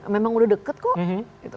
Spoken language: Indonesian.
memang udah deket kok